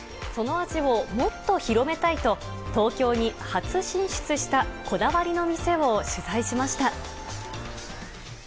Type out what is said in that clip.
その味をもっと広めたいと、東京に初進出したこだわりの店を取材しました。